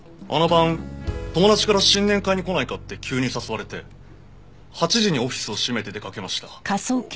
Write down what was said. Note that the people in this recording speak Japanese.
あの晩友達から新年会に来ないかって急に誘われて８時にオフィスを閉めて出掛けました。